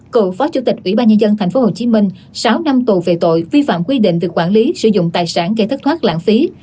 cựu phó chủ tịch ủy ban nhân dân tp hcm sáu năm tù về tội vi phạm quy định về quản lý sử dụng tài sản gây thất thoát lãng phí